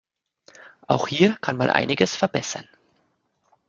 Auch hier kann man einiges verbessern.